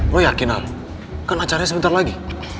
gue yakin al kan acaranya sebentar lagi